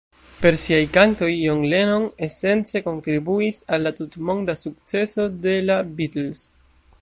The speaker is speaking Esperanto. Per siaj kantoj John Lennon esence kontribuis al la tutmonda sukceso de la Beatles.